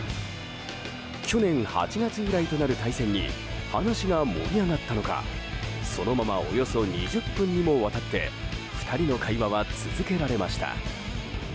去年８月以来となる対戦に話が盛り上がったのかそのままおよそ２０分にもわたって２人の会話は続けられました。